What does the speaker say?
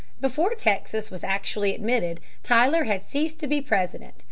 Before Texas was actually admitted Tyler had ceased to be President.